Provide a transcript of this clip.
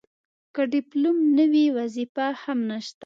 که ډیپلوم نه وي وظیفه هم نشته.